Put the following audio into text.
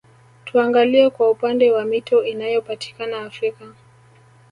Tuangalie kwa upande wa mito inayopatikana Afrika